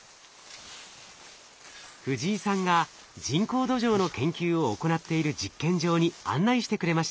藤井さんが人工土壌の研究を行っている実験場に案内してくれました。